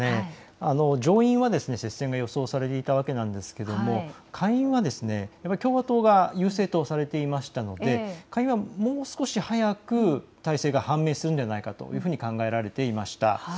上院は接戦が予想されていたわけなんですが下院は共和党が優勢とされていましたので下院はもう少し早く大勢が判明するのではないかと考えられていました。